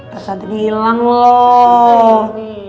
terus nanti dia ilang loh